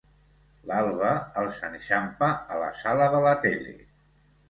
L'alba els enxampa a la sala de la tele.